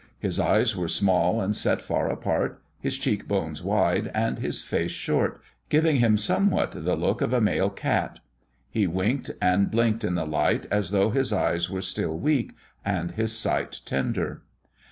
His eyes were small and set far apart, his cheek bones wide, and his face short, giving him somewhat the look of a male cat. He winked and blinked in the light, as though his eyes were still weak and his sight tender.